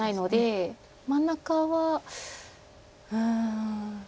真ん中はうん。